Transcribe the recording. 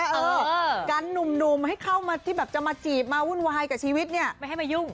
เออกันหนุ่มให้เข้ามาที่แบบจะมาจีบมาวุ่นวายกับชีวิตเนี่ยไม่ให้มายุ่ง